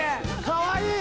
かわいい！